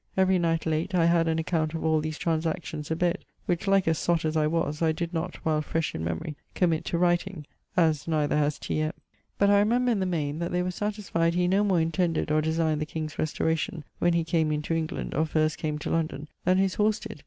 Every night late, I had an account of all these transactions abed, which like a sott as I was, I did not, while fresh in memorie, committ to writing, as neither has T. M.[XXXI.]: but I remember in the maine, that they were satisfied he no more intended or designed the king's restauration, when he came into England, or first came to London, then his horse did.